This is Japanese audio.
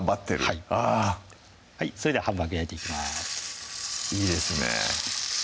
はいそれではハンバーグ焼いていきますいいですね